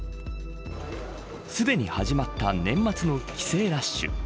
すでに始まった年末の帰省ラッシュ。